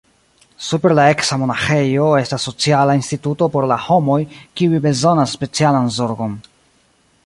Super la eksa monaĥejo estas sociala instituto por la homoj, kiuj bezonas specialan zorgon.